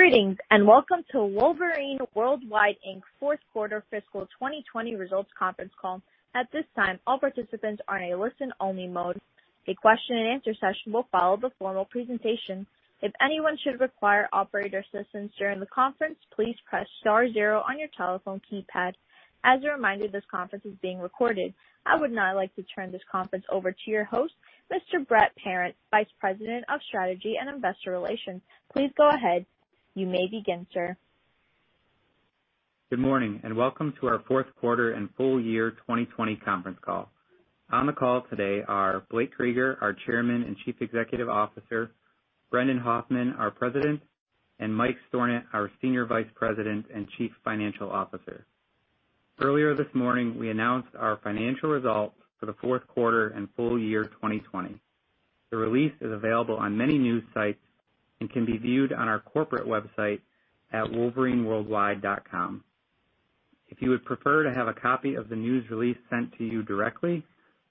Greetings, and welcome to Wolverine Worldwide Inc.'s fourth quarter fiscal 2020 results conference call. At this time, all participants are in a listen-only mode. A question-and-answer session will follow the formal presentation. If anyone should require operator assistance during the conference, please press star zero on your telephone keypad. As a reminder, this conference is being recorded. I would now like to turn this conference over to your host, Mr. Brett Parent, Vice President of Strategy and Investor Relations. Please go ahead. You may begin, sir. Good morning, and welcome to our fourth quarter and full year 2020 conference call. On the call today are Blake Krueger, our Chairman and Chief Executive Officer, Brendan Hoffman, our President, and Mike Stornant, our Senior Vice President and Chief Financial Officer. Earlier this morning, we announced our financial results for the fourth quarter and full year 2020. The release is available on many news sites and can be viewed on our corporate website at wolverineworldwide.com. If you would prefer to have a copy of the news release sent to you directly,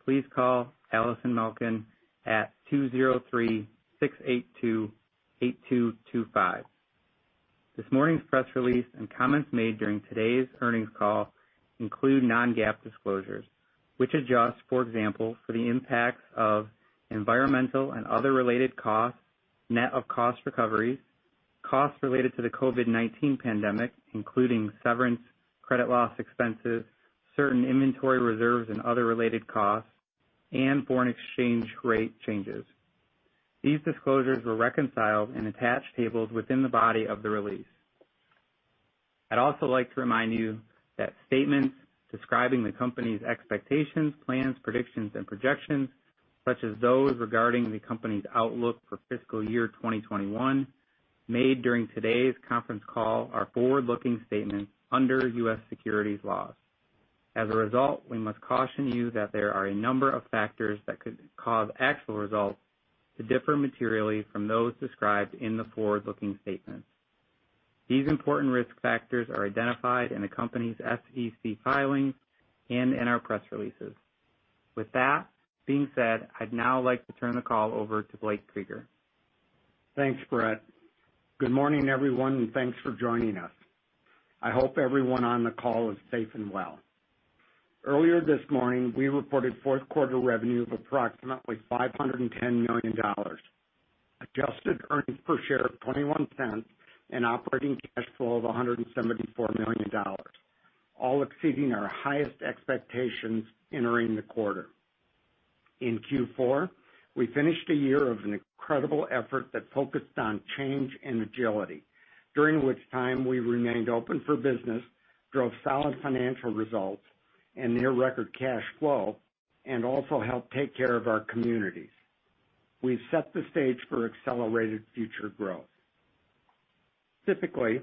please call Allison Malkin at 203-682-8225. This morning's press release and comments made during today's earnings call include non-GAAP disclosures, which adjust, for example, for the impacts of environmental and other related costs, net of cost recoveries, costs related to the COVID-19 pandemic, including severance, credit loss expenses, certain inventory reserves and other related costs, and foreign exchange rate changes. These disclosures were reconciled in attached tables within the body of the release. I'd also like to remind you that statements describing the company's expectations, plans, predictions, and projections, such as those regarding the company's outlook for fiscal year 2021, made during today's conference call are forward-looking statements under U.S. securities laws. As a result, we must caution you that there are a number of factors that could cause actual results to differ materially from those described in the forward-looking statements. These important risk factors are identified in the company's SEC filings and in our press releases. With that being said, I'd now like to turn the call over to Blake Krueger. Thanks, Brett. Good morning, everyone, and thanks for joining us. I hope everyone on the call is safe and well. Earlier this morning, we reported fourth quarter revenue of approximately $510 million, adjusted earnings per share of $0.21, and operating cash flow of $174 million, all exceeding our highest expectations entering the quarter. In Q4, we finished a year of an incredible effort that focused on change and agility, during which time we remained open for business, drove solid financial results and near record cash flow, and also helped take care of our communities. We've set the stage for accelerated future growth. Typically,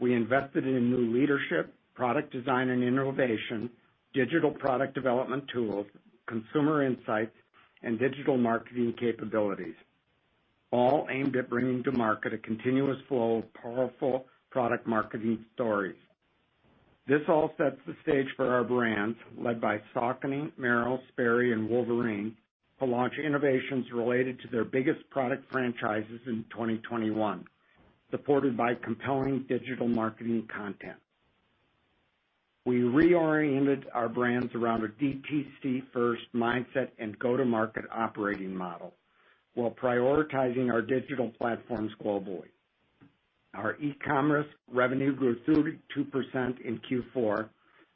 we invested in new leadership, product design and innovation, digital product development tools, consumer insights, and digital marketing capabilities, all aimed at bringing to market a continuous flow of powerful product marketing stories. This all sets the stage for our brands, led by Saucony, Merrell, Sperry, and Wolverine, to launch innovations related to their biggest product franchises in 2021, supported by compelling digital marketing content. We reoriented our brands around a DTC-first mindset and go-to-market operating model while prioritizing our digital platforms globally. Our e-commerce revenue grew 32% in Q4,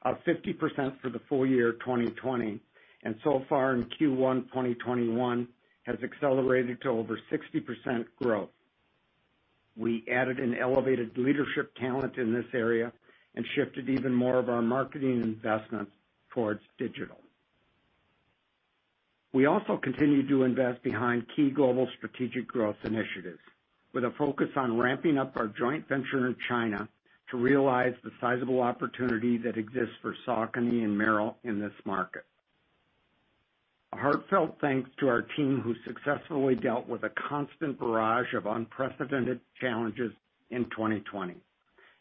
up 50% for the full year 2020, and so far in Q1 2021 has accelerated to over 60% growth. We added and elevated leadership talent in this area and shifted even more of our marketing investments towards digital. We also continued to invest behind key global strategic growth initiatives, with a focus on ramping up our joint venture in China to realize the sizable opportunity that exists for Saucony and Merrell in this market. A heartfelt thanks to our team, who successfully dealt with a constant barrage of unprecedented challenges in 2020,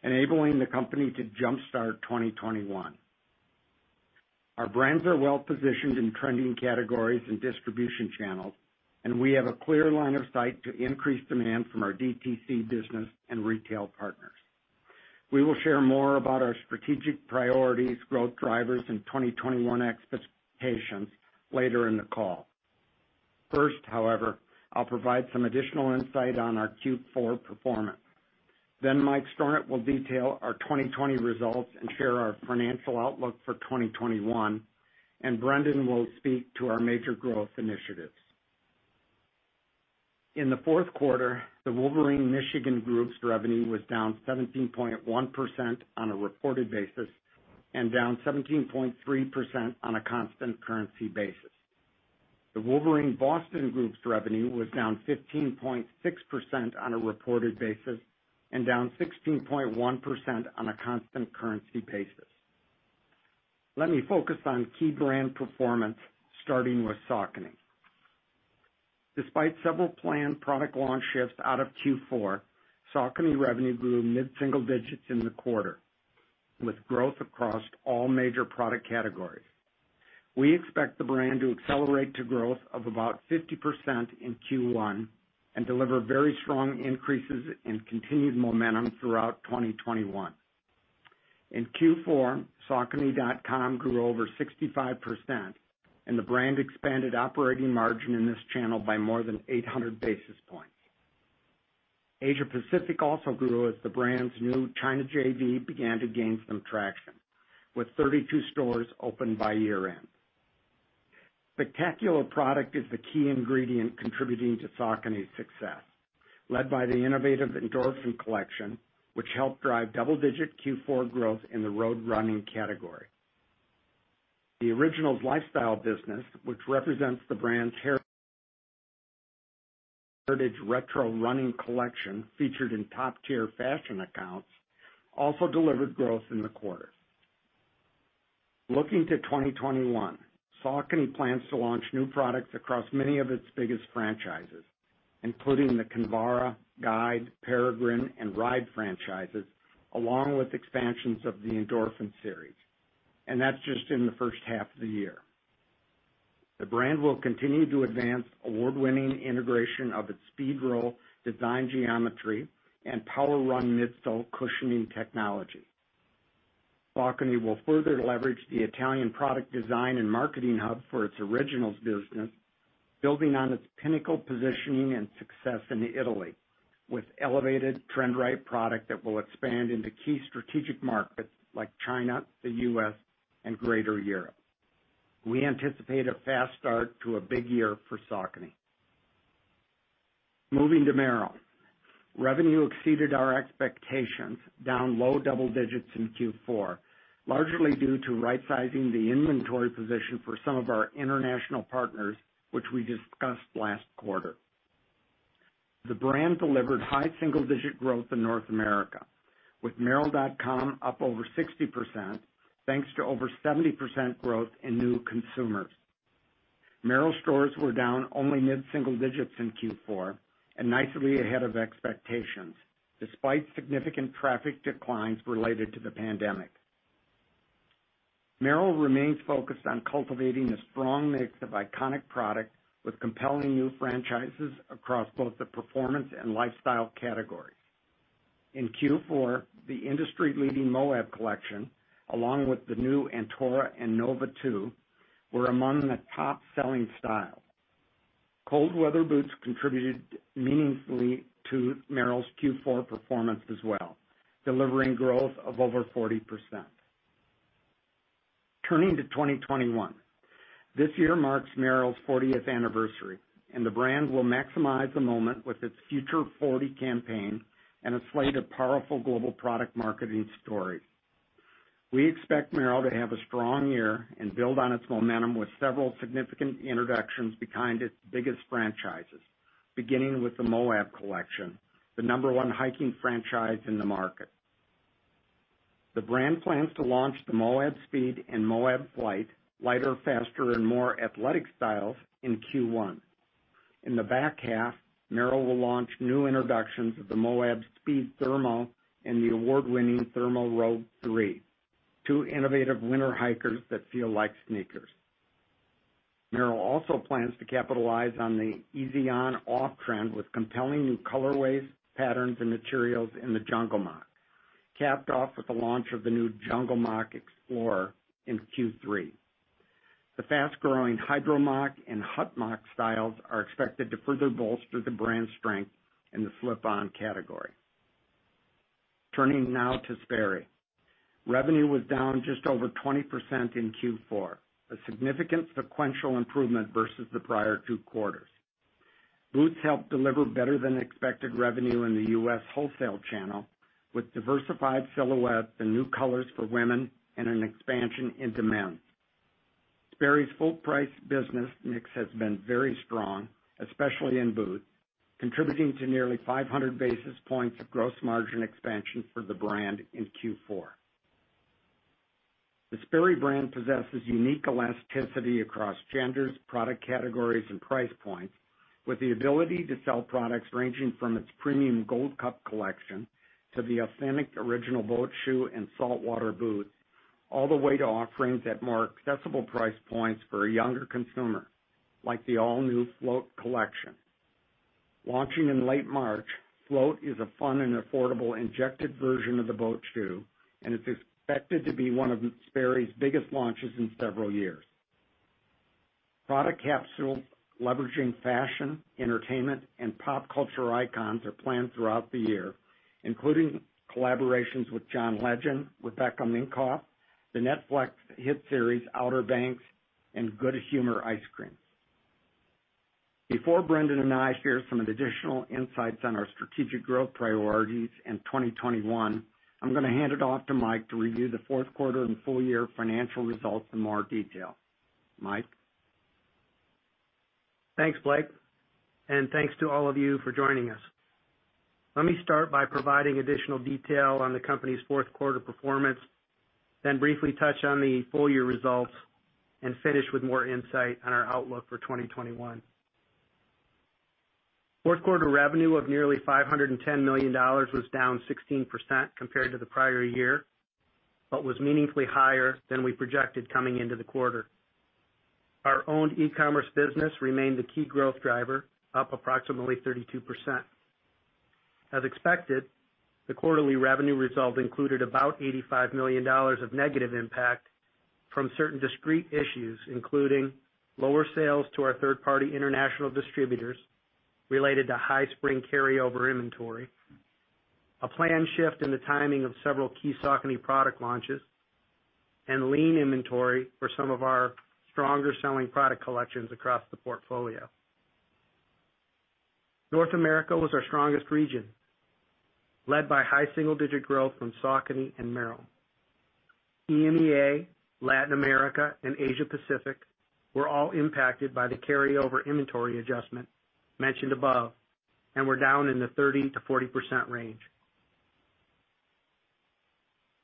enabling the company to jumpstart 2021. Our brands are well positioned in trending categories and distribution channels, and we have a clear line of sight to increase demand from our DTC business and retail partners. We will share more about our strategic priorities, growth drivers, and 2021 expectations later in the call. First, however, I'll provide some additional insight on our Q4 performance. Then Mike Stornant will detail our 2020 results and share our financial outlook for 2021, and Brendan will speak to our major growth initiatives. In the fourth quarter, the Wolverine Michigan Group's revenue was down 17.1% on a reported basis and down 17.3% on a constant currency basis. The Wolverine Boston Group's revenue was down 15.6% on a reported basis and down 16.1% on a constant currency basis. Let me focus on key brand performance, starting with Saucony. Despite several planned product launch shifts out of Q4, Saucony revenue grew mid-single digits in the quarter, with growth across all major product categories.... We expect the brand to accelerate to growth of about 50% in Q1 and deliver very strong increases in continued momentum throughout 2021. In Q4, Saucony.com grew over 65%, and the brand expanded operating margin in this channel by more than 800 basis points. Asia Pacific also grew as the brand's new China JV began to gain some traction, with 32 stores opened by year-end. Spectacular product is the key ingredient contributing to Saucony's success, led by the innovative Endorphin collection, which helped drive double-digit Q4 growth in the road running category. The Originals lifestyle business, which represents the brand's heritage retro running collection, featured in top-tier fashion accounts, also delivered growth in the quarter. Looking to 2021, Saucony plans to launch new products across many of its biggest franchises, including the Kinvara, Guide, Peregrine, and Ride franchises, along with expansions of the Endorphin series, and that's just in the first half of the year. The brand will continue to advance award-winning integration of its SPEEDROLL design geometry, and PWRRUN midsole cushioning technology. Saucony will further leverage the Italian product design and marketing hub for its Originals business, building on its pinnacle positioning and success in Italy, with elevated trend-right product that will expand into key strategic markets like China, the U.S, and greater Europe. We anticipate a fast start to a big year for Saucony. Moving to Merrell. Revenue exceeded our expectations, down low double digits in Q4, largely due to right sizing the inventory position for some of our international partners, which we discussed last quarter. The brand delivered high single-digit growth in North America, with Merrell.com up over 60%, thanks to over 70% growth in new consumers. Merrell stores were down only mid-single digits in Q4 and nicely ahead of expectations, despite significant traffic declines related to the pandemic. Merrell remains focused on cultivating a strong mix of iconic product with compelling new franchises across both the performance and lifestyle categories. In Q4, the industry-leading Moab collection, along with the new Antora and Nova 2, were among the top-selling styles. Cold weather boots contributed meaningfully to Merrell's Q4 performance as well, delivering growth of over 40%. Turning to 2021, this year marks Merrell's fortieth anniversary, and the brand will maximize the moment with its Future 40 campaign and a slate of powerful global product marketing stories. We expect Merrell to have a strong year and build on its momentum with several significant introductions behind its biggest franchises, beginning with the Moab collection, the number 1 hiking franchise in the market. The brand plans to launch the Moab Speed and Moab Flight, lighter, faster, and more athletic styles in Q1. In the back half, Merrell will launch new introductions of the Moab Speed Thermo and the award-winning Thermo Rogue 3, two innovative winter hikers that feel like sneakers. Merrell also plans to capitalize on the easy on/off trend with compelling new colorways, patterns, and materials in the Jungle Moc, capped off with the launch of the new Jungle Moc Explorer in Q3. The fast-growing Hydro Moc and Hut Moc styles are expected to further bolster the brand's strength in the slip-on category. Turning now to Sperry. Revenue was down just over 20% in Q4, a significant sequential improvement versus the prior two quarters. Boots helped deliver better-than-expected revenue in the U.S. wholesale channel, with diversified silhouettes and new colors for women and an expansion into men. Sperry's full price business mix has been very strong, especially in boots, contributing to nearly 500 basis points of gross margin expansion for the brand in Q4. The Sperry brand possesses unique elasticity across genders, product categories, and price points, with the ability to sell products ranging from its premium Gold Cup collection to the authentic original boat shoe and saltwater boots, all the way to offerings at more accessible price points for a younger consumer, like the all-new Float collection. Launching in late March, Float is a fun and affordable injected version of the boat shoe, and it's expected to be one of Sperry's biggest launches in several years. Product capsules leveraging fashion, entertainment, and pop culture icons are planned throughout the year, including collaborations with John Legend, with Rebecca Minkoff, the Netflix hit series Outer Banks, and Good Humor Ice Cream. Before Brendan and I share some of the additional insights on our strategic growth priorities in 2021, I'm going to hand it off to Mike to review the fourth quarter and full year financial results in more detail. Mike? Thanks, Blake, and thanks to all of you for joining us. Let me start by providing additional detail on the company's fourth quarter performance, then briefly touch on the full year results, and finish with more insight on our outlook for 2021.... Fourth quarter revenue of nearly $510 million was down 16% compared to the prior year, but was meaningfully higher than we projected coming into the quarter. Our own e-commerce business remained the key growth driver, up approximately 32%. As expected, the quarterly revenue result included about $85 million of negative impact from certain discrete issues, including lower sales to our third-party international distributors related to high spring carryover inventory, a planned shift in the timing of several key Saucony product launches, and lean inventory for some of our stronger selling product collections across the portfolio. North America was our strongest region, led by high single-digit growth from Saucony and Merrell. EMEA, Latin America, and Asia Pacific were all impacted by the carryover inventory adjustment mentioned above, and were down in the 30% to 40% range.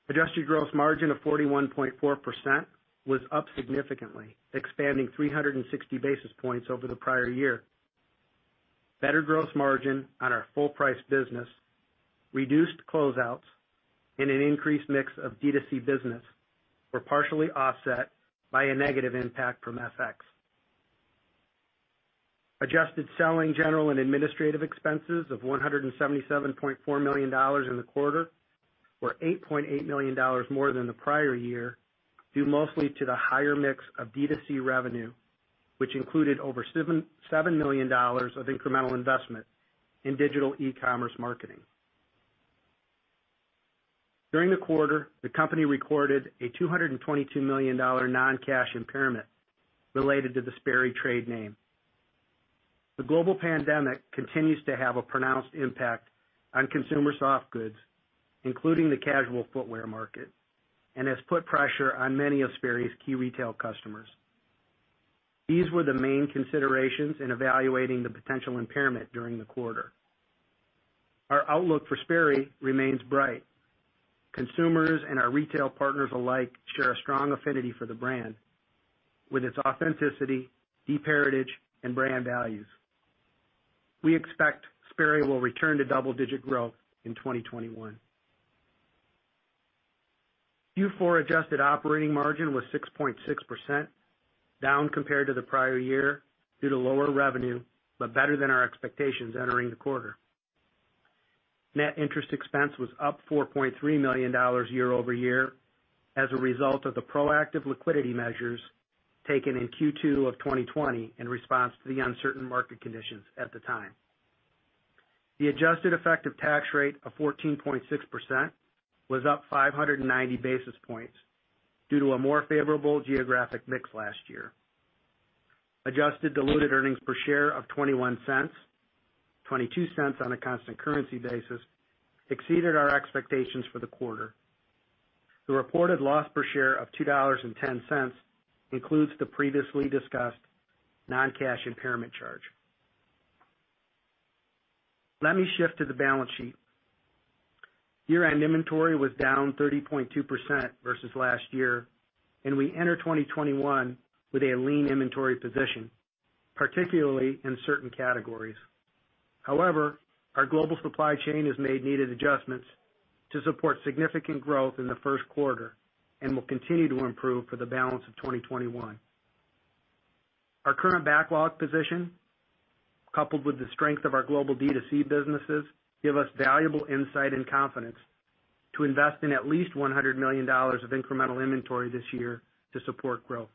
Adjusted gross margin of 41.4% was up significantly, expanding 360 basis points over the prior year. Better gross margin on our full price business, reduced closeouts, and an increased mix of D2C business were partially offset by a negative impact from FX. Adjusted selling, general, and administrative expenses of $177.4 million in the quarter were $8.8 million more than the prior year, due mostly to the higher mix of D2C revenue, which included over $7.7 million of incremental investment in digital e-commerce marketing. During the quarter, the company recorded a $222 million non-cash impairment related to the Sperry trade name. The global pandemic continues to have a pronounced impact on consumer soft goods, including the casual footwear market, and has put pressure on many of Sperry's key retail customers. These were the main considerations in evaluating the potential impairment during the quarter. Our outlook for Sperry remains bright. Consumers and our retail partners alike share a strong affinity for the brand, with its authenticity, deep heritage, and brand values. We expect Sperry will return to double-digit growth in 2021. Q4 adjusted operating margin was 6.6%, down compared to the prior year due to lower revenue, but better than our expectations entering the quarter. Net interest expense was up $4.3 million year over year as a result of the proactive liquidity measures taken in Q2 of 2020 in response to the uncertain market conditions at the time. The adjusted effective tax rate of 14.6% was up 590 basis points due to a more favorable geographic mix last year. Adjusted diluted earnings per share of $0.21, $0.22 on a constant currency basis, exceeded our expectations for the quarter. The reported loss per share of $2.10 includes the previously discussed non-cash impairment charge. Let me shift to the balance sheet. Year-end inventory was down 30.2% versus last year, and we enter 2021 with a lean inventory position, particularly in certain categories. However, our global supply chain has made needed adjustments to support significant growth in the first quarter and will continue to improve for the balance of 2021. Our current backlog position, coupled with the strength of our global D2C businesses, give us valuable insight and confidence to invest in at least $100 million of incremental inventory this year to support growth.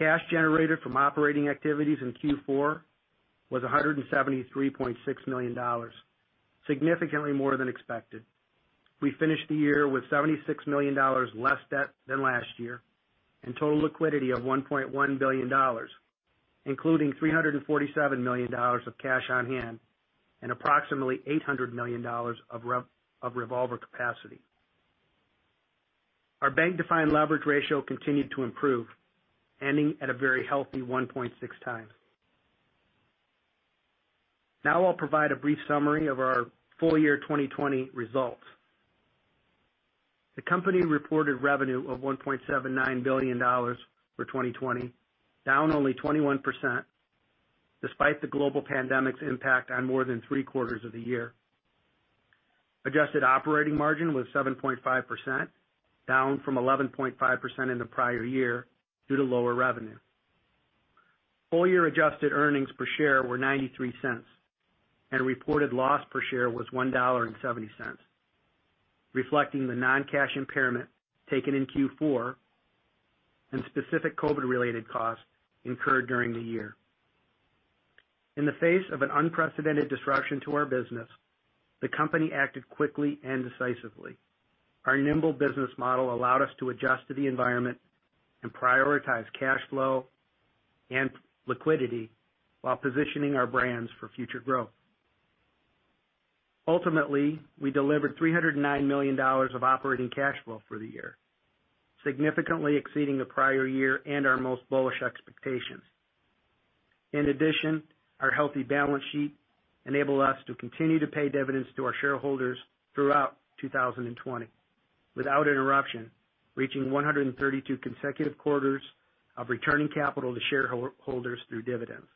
Cash generated from operating activities in Q4 was $173.6 million, significantly more than expected. We finished the year with $76 million less debt than last year, and total liquidity of $1.1 billion, including $347 million of cash on hand and approximately $800 million of revolver capacity. Our bank-defined leverage ratio continued to improve, ending at a very healthy 1.6 times. Now I'll provide a brief summary of our full year 2020 results. The company reported revenue of $1.79 billion for 2020, down only 21%, despite the global pandemic's impact on more than three quarters of the year. Adjusted operating margin was 7.5%, down from 11.5% in the prior year due to lower revenue. Full year adjusted earnings per share were $0.93, and reported loss per share was $1.70, reflecting the non-cash impairment taken in Q4 and specific COVID-related costs incurred during the year. In the face of an unprecedented disruption to our business, the company acted quickly and decisively. Our nimble business model allowed us to adjust to the environment and prioritize cash flow and liquidity while positioning our brands for future growth. Ultimately, we delivered $309 million of operating cash flow for the year, significantly exceeding the prior year and our most bullish expectations. In addition, our healthy balance sheet enabled us to continue to pay dividends to our shareholders throughout 2020... without interruption, reaching 132 consecutive quarters of returning capital to shareholders through dividends.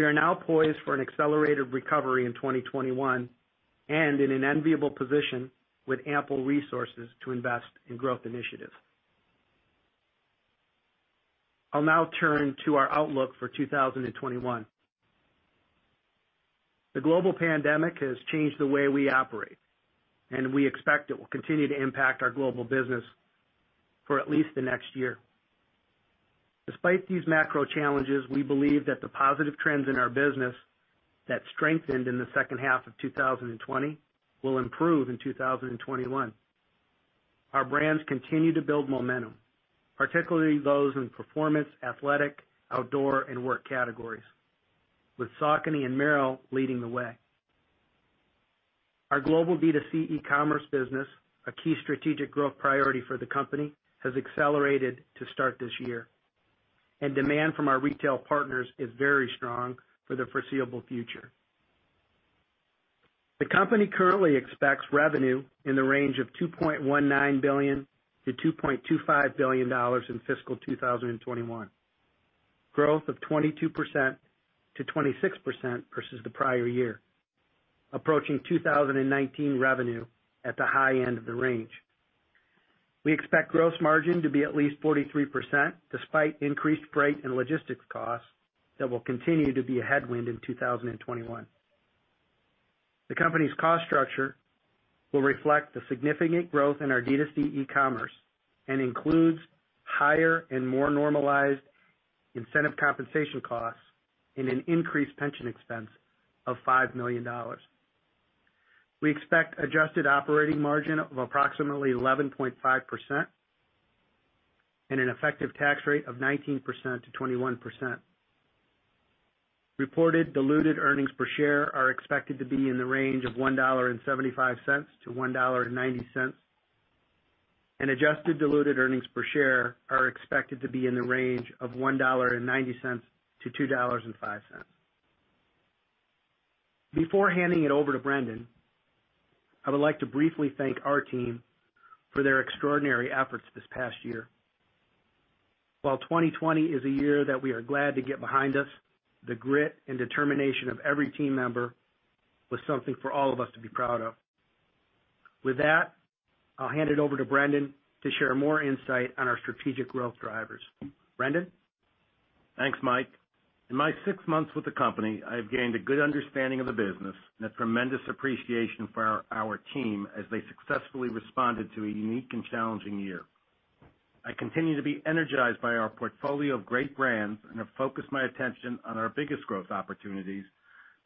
We are now poised for an accelerated recovery in 2021 and in an enviable position with ample resources to invest in growth initiatives. I'll now turn to our outlook for 2021. The global pandemic has changed the way we operate, and we expect it will continue to impact our global business for at least the next year. Despite these macro challenges, we believe that the positive trends in our business that strengthened in the second half of 2020 will improve in 2021. Our brands continue to build momentum, particularly those in performance, athletic, outdoor, and work categories, with Saucony and Merrell leading the way. Our global D2C e-commerce business, a key strategic growth priority for the company, has accelerated to start this year, and demand from our retail partners is very strong for the foreseeable future. The company currently expects revenue in the range of $2.19 billion to $2.25 billion in fiscal 2021, growth of 22% to 26% versus the prior year, approaching 2019 revenue at the high end of the range. We expect gross margin to be at least 43%, despite increased freight and logistics costs that will continue to be a headwind in 2021. The company's cost structure will reflect the significant growth in our D2C e-commerce and includes higher and more normalized incentive compensation costs and an increased pension expense of $5 million. We expect adjusted operating margin of approximately 11.5% and an effective tax rate of 19% to 21%. Reported diluted earnings per share are expected to be in the range of $1.75 to $1.90, and adjusted diluted earnings per share are expected to be in the range of $1.90 to $2.05. Before handing it over to Brendan, I would like to briefly thank our team for their extraordinary efforts this past year. While 2020 is a year that we are glad to get behind us, the grit and determination of every team member was something for all of us to be proud of. With that, I'll hand it over to Brendan to share more insight on our strategic growth drivers. Brendan? Thanks, Mike. In my six months with the company, I have gained a good understanding of the business and a tremendous appreciation for our team as they successfully responded to a unique and challenging year. I continue to be energized by our portfolio of great brands and have focused my attention on our biggest growth opportunities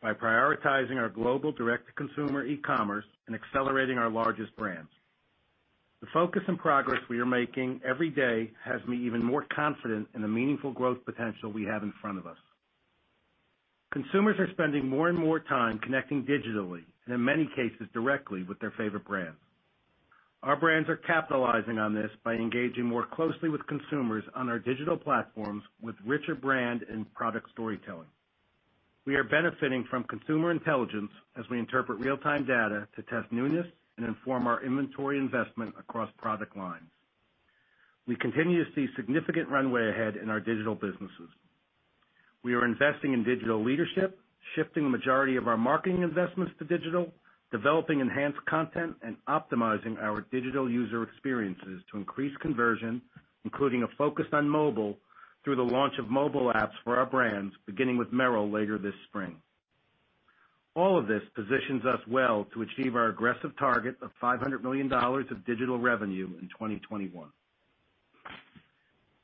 by prioritizing our global direct-to-consumer e-commerce and accelerating our largest brands. The focus and progress we are making every day has me even more confident in the meaningful growth potential we have in front of us. Consumers are spending more and more time connecting digitally, and in many cases, directly with their favorite brands. Our brands are capitalizing on this by engaging more closely with consumers on our digital platforms with richer brand and product storytelling. We are benefiting from consumer intelligence as we interpret real-time data to test newness and inform our inventory investment across product lines. We continue to see significant runway ahead in our digital businesses. We are investing in digital leadership, shifting the majority of our marketing investments to digital, developing enhanced content, and optimizing our digital user experiences to increase conversion, including a focus on mobile through the launch of mobile apps for our brands, beginning with Merrell later this spring. All of this positions us well to achieve our aggressive target of $500 million of digital revenue in 2021.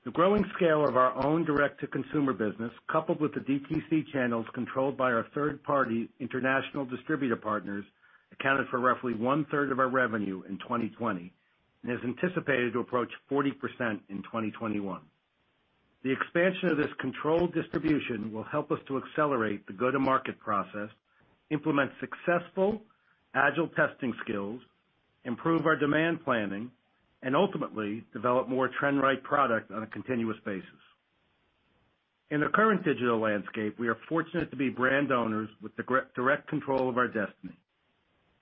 The growing scale of our own direct-to-consumer business, coupled with the DTC channels controlled by our third-party international distributor partners, accounted for roughly one-third of our revenue in 2020 and is anticipated to approach 40% in 2021. The expansion of this controlled distribution will help us to accelerate the go-to-market process, implement successful agile testing skills, improve our demand planning, and ultimately develop more trend-right product on a continuous basis. In the current digital landscape, we are fortunate to be brand owners with the greater direct control of our destiny.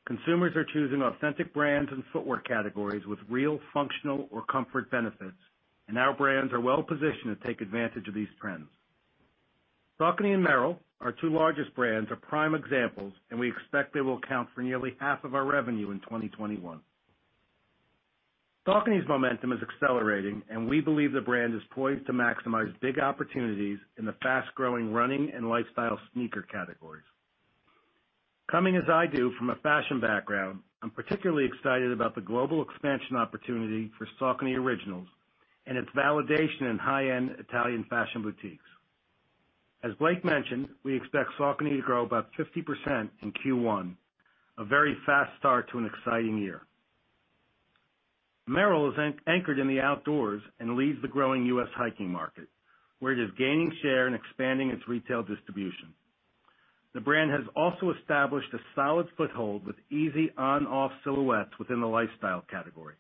Consumers are choosing authentic brands and footwear categories with real, functional, or comfort benefits, and our brands are well positioned to take advantage of these trends. Saucony and Merrell, our two largest brands, are prime examples, and we expect they will account for nearly half of our revenue in 2021. Saucony's momentum is accelerating, and we believe the brand is poised to maximize big opportunities in the fast-growing running and lifestyle sneaker categories. Coming as I do from a fashion background, I'm particularly excited about the global expansion opportunity for Saucony Originals and its validation in high-end Italian fashion boutiques. As Blake mentioned, we expect Saucony to grow about 50% in Q1, a very fast start to an exciting year. Merrell is anchored in the outdoors and leads the growing U.S. hiking market, where it is gaining share and expanding its retail distribution. The brand has also established a solid foothold with easy on/off silhouettes within the lifestyle category....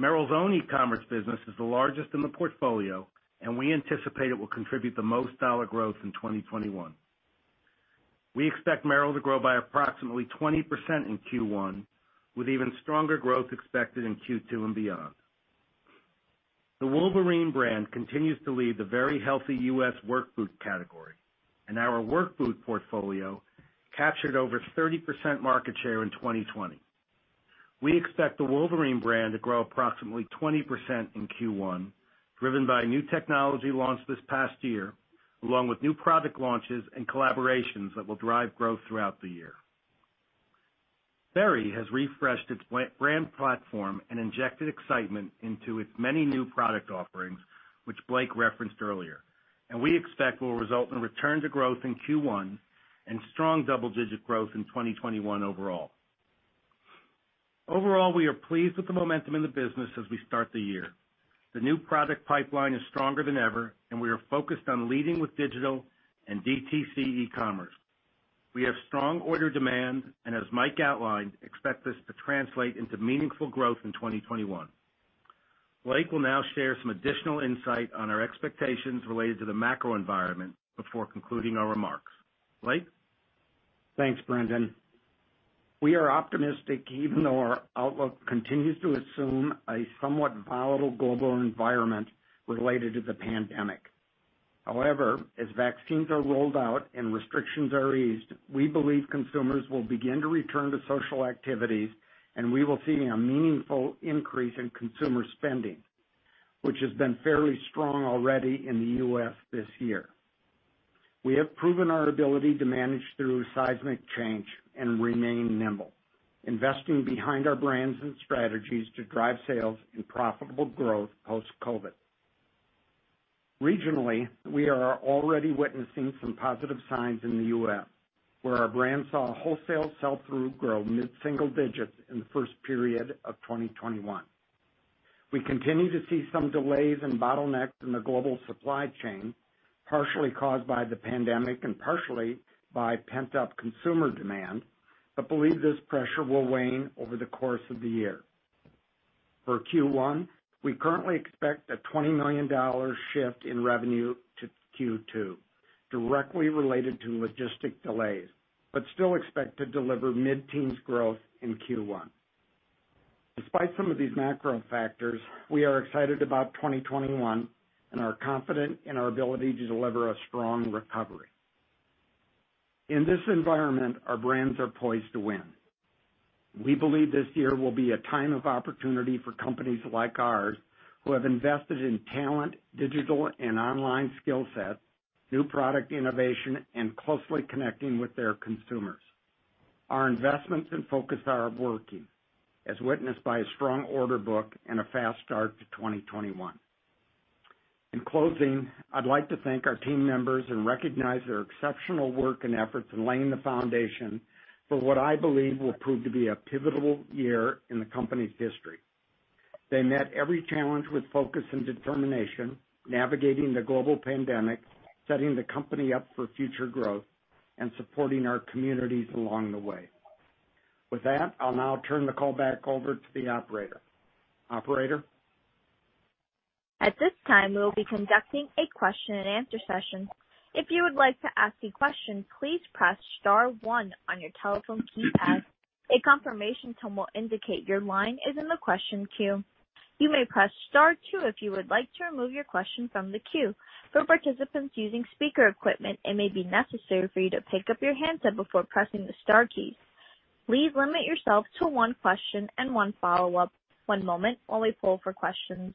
Merrell's own E-commerce business is the largest in the portfolio, and we anticipate it will contribute the most dollar growth in 2021. We expect Merrell to grow by approximately 20% in Q1, with even stronger growth expected in Q2 and beyond. The Wolverine brand continues to lead the very healthy U.S. work boot category, and our work boot portfolio captured over 30% market share in 2020. We expect the Wolverine brand to grow approximately 20% in Q1, driven by a new technology launched this past year, along with new product launches and collaborations that will drive growth throughout the year. Sperry has refreshed its brand platform and injected excitement into its many new product offerings, which Blake referenced earlier, and we expect will result in return to growth in Q1 and strong double-digit growth in 2021 overall. Overall, we are pleased with the momentum in the business as we start the year. The new product pipeline is stronger than ever, and we are focused on leading with digital and DTC e-commerce. We have strong order demand, and as Mike outlined, expect this to translate into meaningful growth in 2021. Blake will now share some additional insight on our expectations related to the macro environment before concluding our remarks. Blake? Thanks, Brendan. We are optimistic, even though our outlook continues to assume a somewhat volatile global environment related to the pandemic. However, as vaccines are rolled out and restrictions are eased, we believe consumers will begin to return to social activities, and we will see a meaningful increase in consumer spending, which has been fairly strong already in the U.S. this year. We have proven our ability to manage through seismic change and remain nimble, investing behind our brands and strategies to drive sales and profitable growth post-COVID. Regionally, we are already witnessing some positive signs in the U.S., where our brand saw wholesale sell-through grow mid-single digits in the first period of 2021. We continue to see some delays and bottlenecks in the global supply chain, partially caused by the pandemic and partially by pent-up consumer demand, but believe this pressure will wane over the course of the year. For Q1, we currently expect a $20 million shift in revenue to Q2, directly related to logistics delays, but still expect to deliver mid-teens growth in Q1. Despite some of these macro factors, we are excited about 2021 and are confident in our ability to deliver a strong recovery. In this environment, our brands are poised to win. We believe this year will be a time of opportunity for companies like ours, who have invested in talent, digital and online skill sets, new product innovation, and closely connecting with their consumers. Our investments and focus are working, as witnessed by a strong order book and a fast start to 2021. In closing, I'd like to thank our team members and recognize their exceptional work and efforts in laying the foundation for what I believe will prove to be a pivotal year in the company's history. They met every challenge with focus and determination, navigating the global pandemic, setting the company up for future growth, and supporting our communities along the way. With that, I'll now turn the call back over to the operator. Operator? At this time, we will be conducting a question and answer session. If you would like to ask a question, please press star one on your telephone keypad. A confirmation tone will indicate your line is in the question queue. You may press star two if you would like to remove your question from the queue. For participants using speaker equipment, it may be necessary for you to pick up your handset before pressing the star keys. Please limit yourself to one question and one follow-up. One moment while we pull for questions.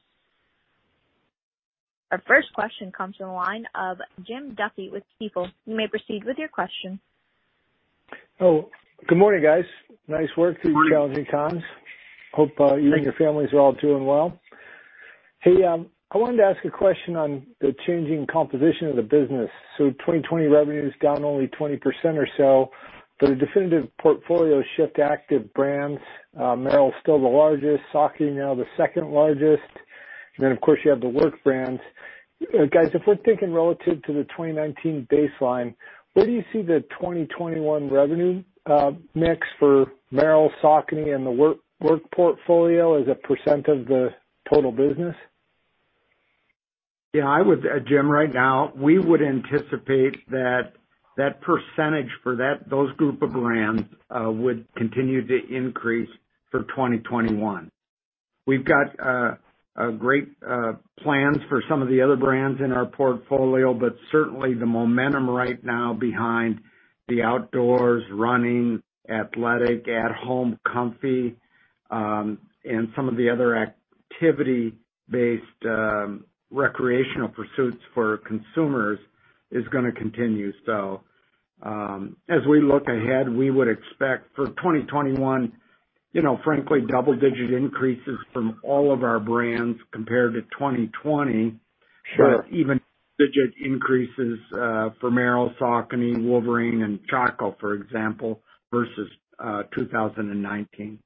Our first question comes from the line of Jim Duffy with Stifel. You may proceed with your question. Oh, good morning, guys. Nice work through challenging times. Hope you and your families are all doing well. Hey, I wanted to ask a question on the changing composition of the business. So 2020 revenue is down only 20% or so, but a definitive portfolio shift to active brands, Merrell is still the largest, Saucony now the second largest, and then, of course, you have the work brands. Guys, if we're thinking relative to the 2019 baseline, where do you see the 2021 revenue mix for Merrell, Saucony, and the work portfolio as a % of the total business? Yeah, I would, Jim, right now, we would anticipate that percentage for those group of brands would continue to increase for 2021. We've got a great plans for some of the other brands in our portfolio, but certainly the momentum right now behind the outdoors, running, athletic, at home comfy, and some of the other activity-based recreational pursuits for consumers is gonna continue. So, as we look ahead, we would expect for 2021, you know, frankly, double-digit increases from all of our brands compared to 2020. Sure. But even digit increases for Merrell, Saucony, Wolverine, and Chaco, for example, versus 2019.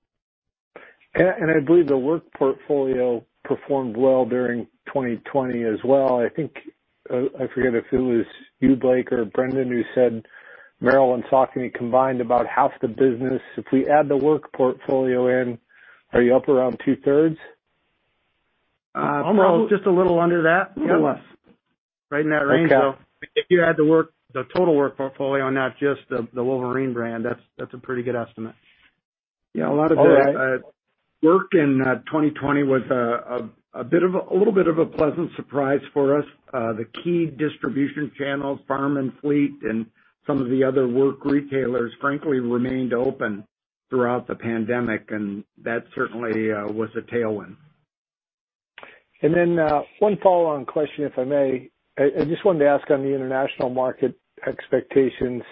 I believe the work portfolio performed well during 2020 as well. I think I forget if it was you, Blake, or Brendan, who said Merrell and Saucony combined about half the business. If we add the work portfolio in, are you up around two thirds? Almost just a little under that, a little less. Right in that range, though. Okay. If you add the work, the total work portfolio, not just the Wolverine brand, that's a pretty good estimate. Yeah. All right. A lot of the work in 2020 was a bit of a little bit of a pleasant surprise for us. The key distribution channels, farm and fleet, and some of the other work retailers, frankly, remained open throughout the pandemic, and that certainly was a tailwind. And then, one follow-on question, if I may. I, I just wanted to ask on the international market expectations,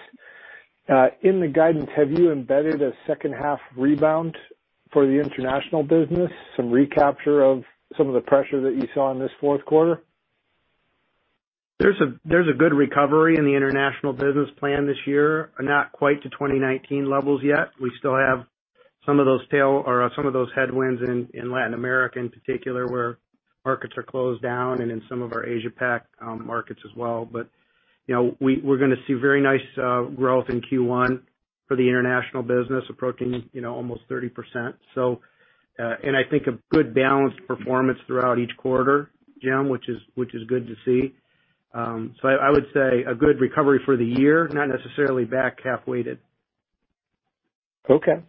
in the guidance, have you embedded a second half rebound for the international business, some recapture of some of the pressure that you saw in this fourth quarter? There's a good recovery in the international business plan this year, not quite to 2019 levels yet. We still have some of those tail or some of those headwinds in Latin America, in particular, where markets are closed down and in some of our Asia Pac markets as well. But, you know, we're gonna see very nice growth in Q1 for the international business approaching, you know, almost 30%. So, and I think a good balanced performance throughout each quarter, Jim, which is good to see. So I would say a good recovery for the year, not necessarily back half weighted. Okay.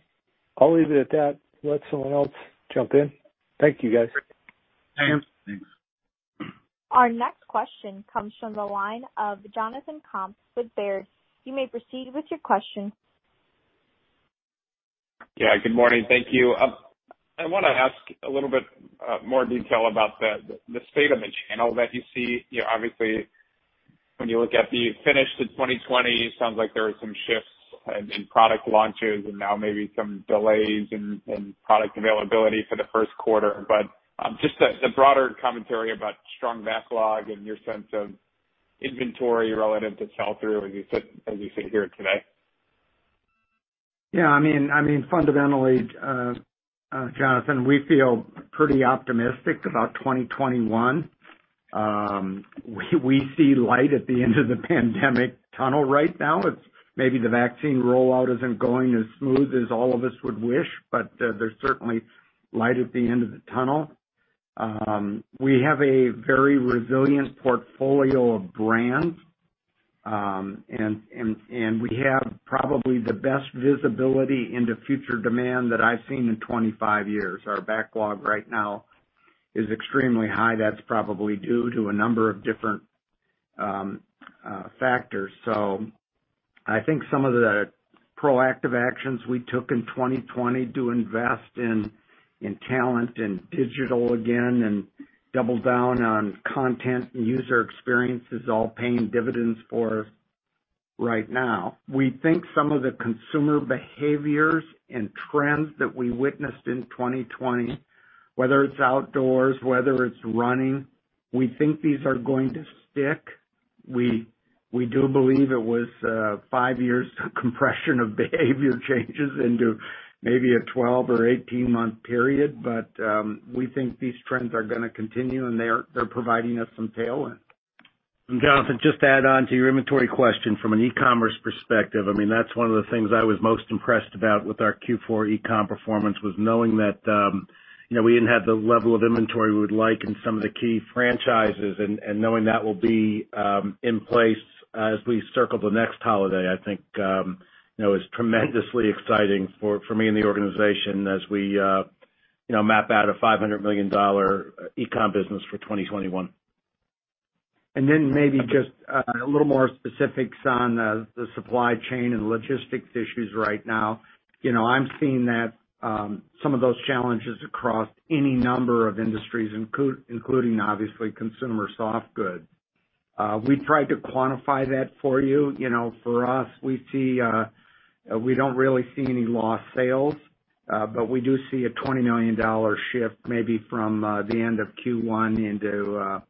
I'll leave it at that, let someone else jump in. Thank you, guys. Thanks. Thanks. Our next question comes from the line of Jonathan Komp with Baird. You may proceed with your question. Yeah, good morning. Thank you. I wanna ask a little bit more detail about the state of the channel that you see. You know, obviously, when you look at the finish to 2020, it sounds like there were some shifts in product launches and now maybe some delays in product availability for the first quarter. But just the broader commentary about strong backlog and your sense of inventory relative to sell through, as you said, as you sit here today. Yeah, I mean, I mean, fundamentally, Jonathan, we feel pretty optimistic about 2021. We see light at the end of the pandemic tunnel right now. It's maybe the vaccine rollout isn't going as smooth as all of us would wish, but there's certainly light at the end of the tunnel. We have a very resilient portfolio of brands, and we have probably the best visibility into future demand that I've seen in 25 years. Our backlog right now is extremely high. That's probably due to a number of different factors. So I think some of the proactive actions we took in 2020 to invest in talent and digital again, and double down on content and user experience is all paying dividends for us right now. We think some of the consumer behaviors and trends that we witnessed in 2020, whether it's outdoors, whether it's running, we think these are going to stick. We, we do believe it was five years of compression of behavior changes into maybe a 12- or 18-month period. But we think these trends are gonna continue, and they're, they're providing us some tailwind. Jonathan, just to add on to your inventory question, from an e-commerce perspective, I mean, that's one of the things I was most impressed about with our Q4 e-com performance, was knowing that, you know, we didn't have the level of inventory we would like in some of the key franchises, and knowing that will be in place as we circle the next holiday, I think, you know, is tremendously exciting for me and the organization as we, you know, map out a $500 million e-com business for 2021. Then maybe just a little more specifics on the supply chain and logistics issues right now. You know, I'm seeing that some of those challenges across any number of industries, including obviously consumer soft goods. We tried to quantify that for you. You know, for us, we see we don't really see any lost sales, but we do see a $20 million shift maybe from the end of Q1 into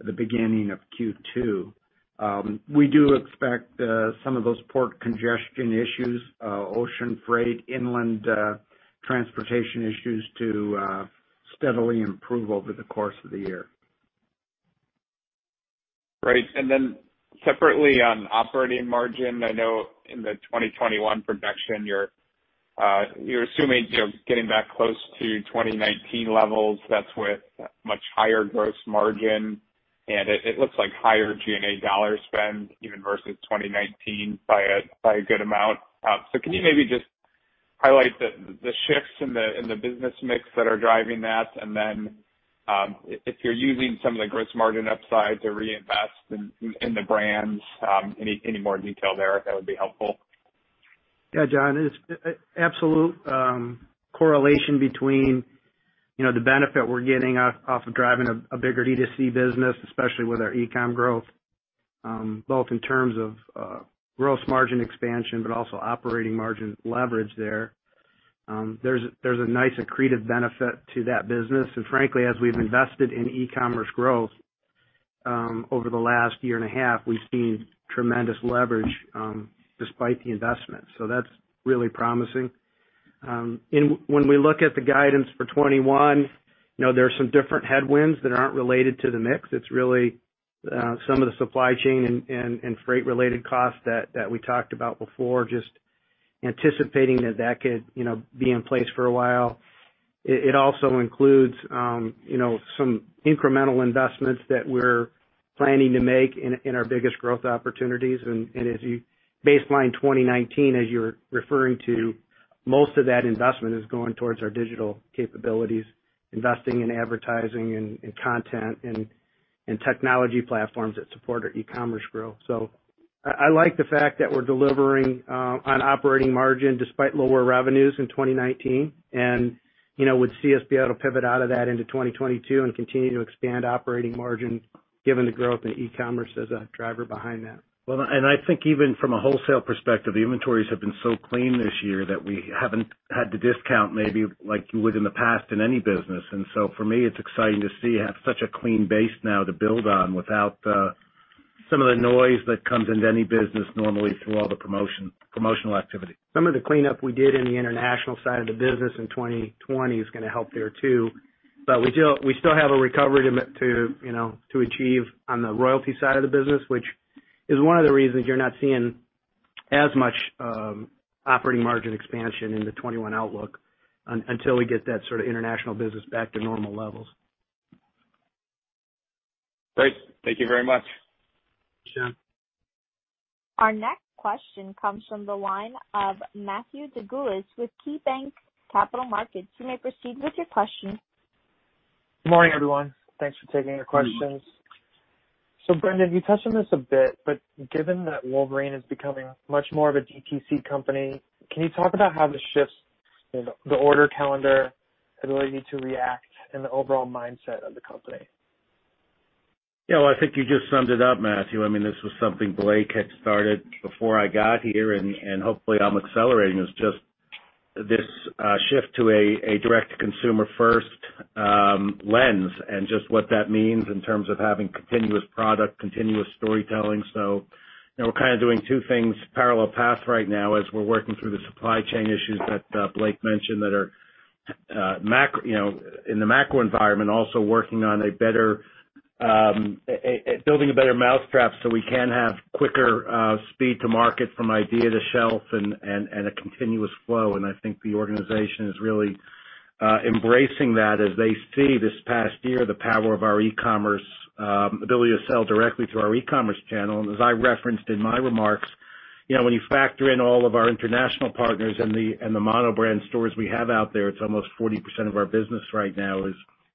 the beginning of Q2. We do expect some of those port congestion issues, ocean freight, inland transportation issues to steadily improve over the course of the year. Right. And then separately, on operating margin, I know in the 2021 projection, you're, you're assuming, you know, getting back close to 2019 levels. That's with much higher gross margin, and it, it looks like higher SG&A dollar spend even versus 2019 by a good amount. So can you maybe just highlight the, the shifts in the, in the business mix that are driving that? And then, if you're using some of the gross margin upside to reinvest in, in the brands, any, any more detail there, that would be helpful. Yeah, John, it is absolute correlation between, you know, the benefit we're getting off of driving a bigger D2C business, especially with our e-com growth, both in terms of gross margin expansion, but also operating margin leverage there. There's a nice accretive benefit to that business. And frankly, as we've invested in e-commerce growth, over the last year and a half, we've seen tremendous leverage, despite the investment. So that's really promising. And when we look at the guidance for 2021, you know, there are some different headwinds that aren't related to the mix. It's really some of the supply chain and freight related costs that we talked about before, just anticipating that could, you know, be in place for a while. It also includes, you know, some incremental investments that we're planning to make in our biggest growth opportunities. And as you baseline 2019, as you're referring to, most of that investment is going towards our digital capabilities, investing in advertising and content and technology platforms that support our e-commerce growth. So I like the fact that we're delivering on operating margin despite lower revenues in 2019, and, you know, would see us be able to pivot out of that into 2022 and continue to expand operating margin, given the growth in e-commerce as a driver behind that. Well, and I think even from a wholesale perspective, the inventories have been so clean this year that we haven't had to discount maybe like you would in the past in any business. And so for me, it's exciting to see you have such a clean base now to build on without the, some of the noise that comes into any business normally through all the promotion, promotional activity. Some of the cleanup we did in the international side of the business in 2020 is gonna help there too. But we still have a recovery to, you know, to achieve on the royalty side of the business, which is one of the reasons you're not seeing as much operating margin expansion in the 2021 outlook until we get that sort of international business back to normal levels. Great. Thank you very much. Sure. Our next question comes from the line of Matthew DeGulis with KeyBanc Capital Markets. You may proceed with your question. Good morning, everyone. Thanks for taking our questions. So Brendan, you touched on this a bit, but given that Wolverine is becoming much more of a DTC company, can you talk about how this shifts, you know, the order calendar, ability to react, and the overall mindset of the company? Yeah, well, I think you just summed it up, Matthew. I mean, this was something Blake had started before I got here, and hopefully I'm accelerating. It's just this shift to a direct consumer first lens and just what that means in terms of having continuous product, continuous storytelling. So, you know, we're kind of doing two things, parallel paths right now as we're working through the supply chain issues that Blake mentioned, that are macro, you know, in the macro environment, also working on a better, building a better mousetrap, so we can have quicker speed to market from idea to shelf and a continuous flow. And I think the organization is really embracing that as they see this past year, the power of our e-commerce ability to sell directly through our e-commerce channel. And as I referenced in my remarks, you know, when you factor in all of our international partners and the mono brand stores we have out there, it's almost 40% of our business right now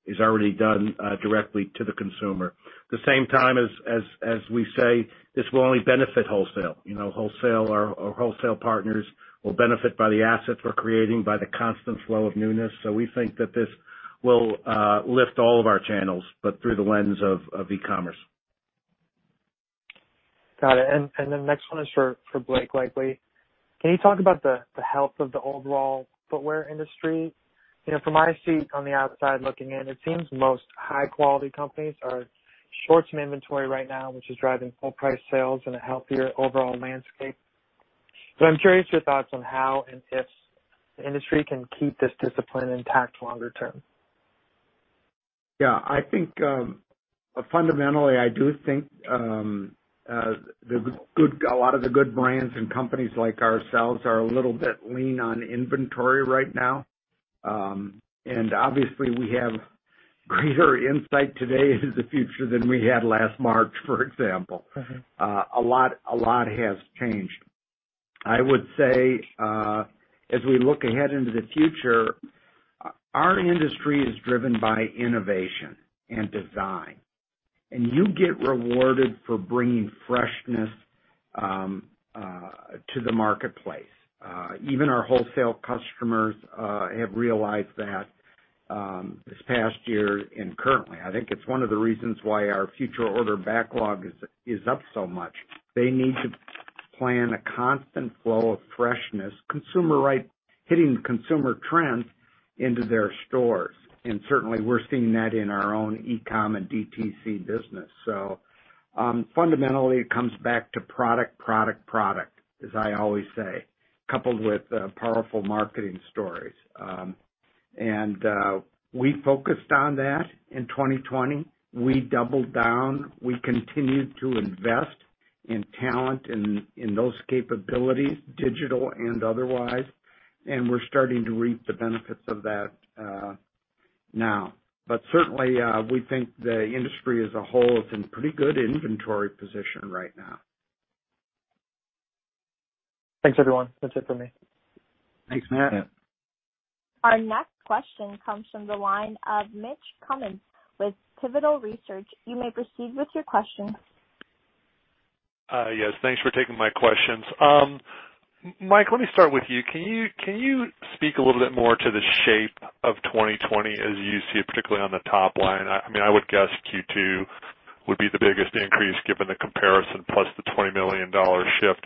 is already done directly to the consumer. At the same time, as we say, this will only benefit wholesale. You know, wholesale partners will benefit by the assets we're creating, by the constant flow of newness. So we think that this will lift all of our channels, but through the lens of e-commerce. Got it. And the next one is for Blake, likely. Can you talk about the health of the overall footwear industry? You know, from my seat on the outside looking in, it seems most high quality companies are short in inventory right now, which is driving full price sales and a healthier overall landscape. So I'm curious your thoughts on how and if the industry can keep this discipline intact longer term. Yeah. I think, fundamentally, I do think, a lot of the good brands and companies like ourselves are a little bit lean on inventory right now. And obviously, we have greater insight today into the future than we had last March, for example. A lot, a lot has changed. I would say, as we look ahead into the future, our industry is driven by innovation and design, and you get rewarded for bringing freshness to the marketplace. Even our wholesale customers have realized that, this past year and currently. I think it's one of the reasons why our future order backlog is, is up so much. They need to plan a constant flow of freshness, consumer right, hitting consumer trends into their stores, and certainly we're seeing that in our own e-com and DTC business. So, fundamentally, it comes back to product, product, product, as I always say, coupled with powerful marketing stories. And, we focused on that in 2020. We doubled down. We continued to invest in talent, in those capabilities, digital and otherwise, and we're starting to reap the benefits of that, now. But certainly, we think the industry as a whole is in pretty good inventory position right now. Thanks, everyone. That's it for me. Thanks, Matt. Yeah. Our next question comes from the line of Mitch Kummetz with Pivotal Research Group. You may proceed with your question. Yes, thanks for taking my questions. Mike, let me start with you. Can you speak a little bit more to the shape of 2020 as you see it, particularly on the top line? I mean, I would guess Q2 would be the biggest increase given the comparison, plus the $20 million shift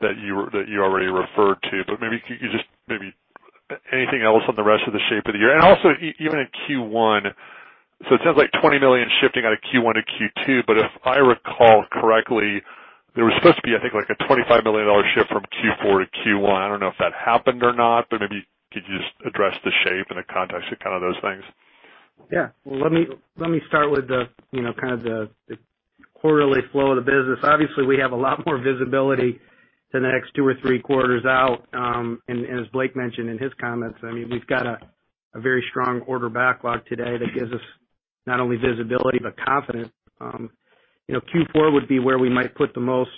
that you already referred to. But maybe you just - maybe anything else on the rest of the shape of the year? And also even in Q1. So it sounds like $20 million shifting out of Q1 to Q2, but if I recall correctly, there was supposed to be, I think, like a $25 million shift from Q4 to Q1. I don't know if that happened or not, but maybe could you just address the shape and the context of kind of those things? Yeah. Well, let me start with, you know, kind of the quarterly flow of the business. Obviously, we have a lot more visibility to the next two or three quarters out. And as Blake mentioned in his comments, I mean, we've got a very strong order backlog today that gives us not only visibility, but confidence. You know, Q4 would be where we might put the most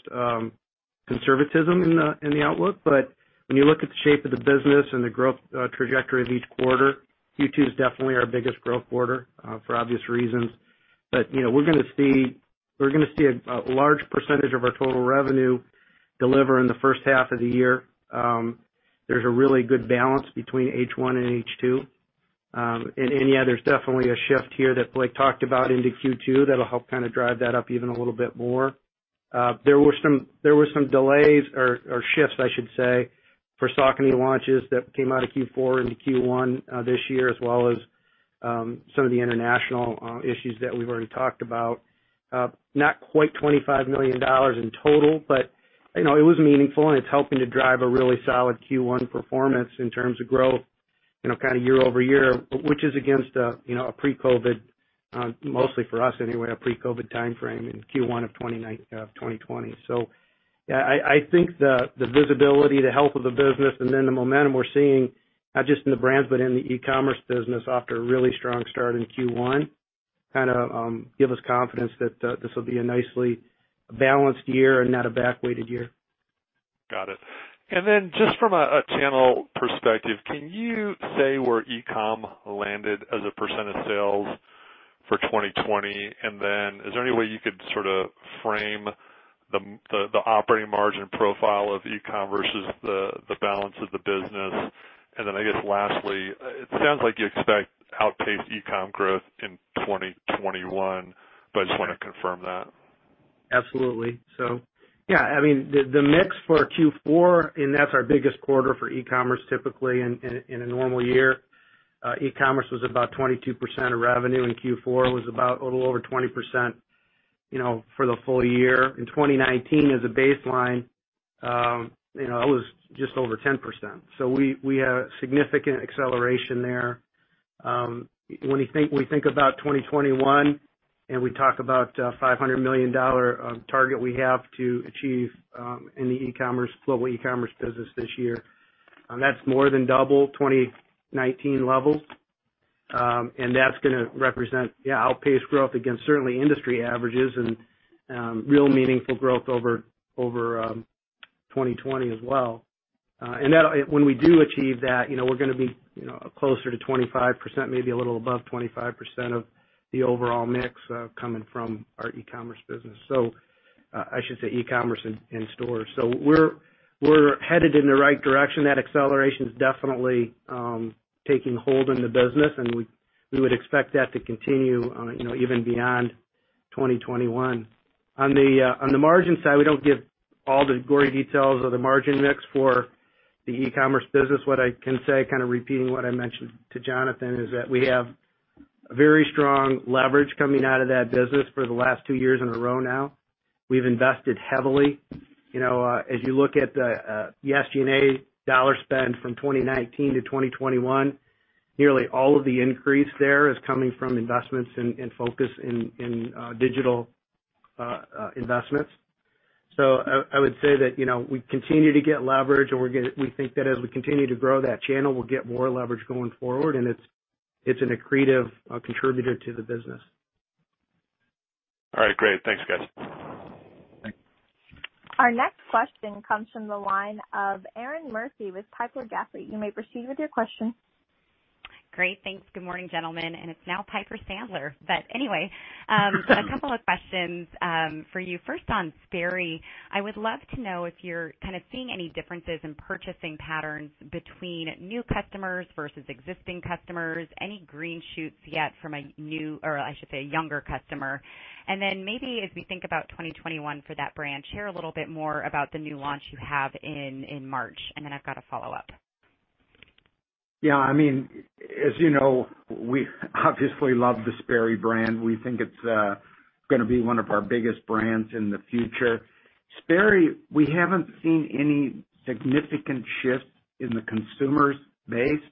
conservatism in the outlook. But when you look at the shape of the business and the growth trajectory of each quarter, Q2 is definitely our biggest growth quarter for obvious reasons. But, you know, we're gonna see a large percentage of our total revenue deliver in the first half of the year. There's a really good balance between H1 and H2. Yeah, there's definitely a shift here that Blake talked about into Q2 that'll help kind of drive that up even a little bit more. There were some delays or shifts, I should say, for Saucony launches that came out of Q4 into Q1 this year, as well as some of the international issues that we've already talked about. Not quite $25 million in total, but you know, it was meaningful, and it's helping to drive a really solid Q1 performance in terms of growth, you know, kind of year-over-year, which is against a you know, a pre-COVID, mostly for us anyway, a pre-COVID timeframe in Q1 of 2019, 2020. So, yeah, I think the visibility, the health of the business, and then the momentum we're seeing, not just in the brands, but in the e-commerce business after a really strong start in Q1, kind of, give us confidence that this will be a nicely balanced year and not a backweighted year. Got it. And then just from a channel perspective, can you say where e-com landed as a % of sales for 2020? And then is there any way you could sort of frame the operating margin profile of e-com versus the balance of the business? And then, I guess, lastly, it sounds like you expect outpaced e-com growth in 2021, but I just wanna confirm that. Absolutely. So, yeah, I mean, the mix for Q4, and that's our biggest quarter for e-commerce, typically in a normal year, e-commerce was about 22% of revenue, and Q4 was about a little over 20%, you know, for the full year. In 2019, as a baseline, you know, it was just over 10%. So we have significant acceleration there. When we think about 2021, and we talk about $500 million target we have to achieve in the e-commerce, global e-commerce business this year, that's more than double 2019 levels. And that's gonna represent, yeah, outpaced growth against certainly industry averages and real meaningful growth over 2020 as well. And that'll. When we do achieve that, you know, we're gonna be, you know, closer to 25%, maybe a little above 25% of the overall mix coming from our e-commerce business, so I should say e-commerce and stores. So we're headed in the right direction. That acceleration is definitely taking hold in the business, and we would expect that to continue, you know, even beyond 2021. On the margin side, we don't give all the gory details of the margin mix for the e-commerce business. What I can say, kind of repeating what I mentioned to Jonathan, is that we have very strong leverage coming out of that business for the last two years in a row now. We've invested heavily. You know, as you look at the, the SG&A dollar spend from 2019 to 2021, nearly all of the increase there is coming from investments and, and focus in, in, digital, investments. So I, I would say that, you know, we continue to get leverage, and we think that as we continue to grow that channel, we'll get more leverage going forward, and it's, it's an accretive, contributor to the business. All right, great. Thanks, guys. Thanks. Our next question comes from the line of Erinn Murphy with Piper Sandler. You may proceed with your question. Great, thanks. Good morning, gentlemen, and it's now Piper Sandler. But anyway, a couple of questions, for you. First, on Sperry, I would love to know if you're kind of seeing any differences in purchasing patterns between new customers versus existing customers. Any green shoots yet from a new, or I should say, a younger customer? And then maybe as we think about 2021 for that brand, share a little bit more about the new launch you have in, in March, and then I've got a follow-up. Yeah, I mean, as you know, we obviously love the Sperry brand. We think it's gonna be one of our biggest brands in the future. Sperry, we haven't seen any significant shifts in the consumer base.